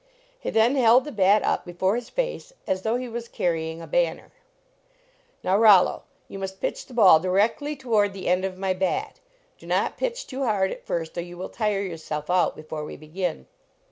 He then held the bat up before his face as though he was carrying a banner. "Now, Rollo, you must pitch the ball di rectly toward the end of my bat. Do not pitch too hard at first, or you will tire your self out before we begin."